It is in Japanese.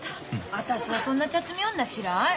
私はそんな茶摘み女嫌い。